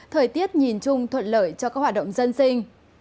thời tiết nhìn chung thuận lợi cho các hoạt động dân sinh